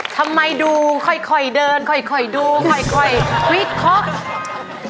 ทำไมดูค่อยเดินค่อยดูค่อยควิกคบ